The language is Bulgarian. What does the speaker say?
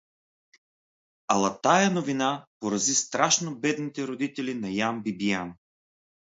Ала тая новина порази страшно бедните родители на Ян Бибиян.